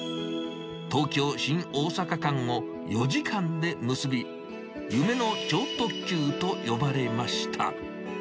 東京・新大阪間を４時間で結び、夢の超特急と呼ばれました。